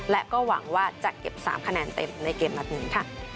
และก็หวังว่าจะเก็บ๓คะแนนเต็มในเกมนัดนี้ค่ะ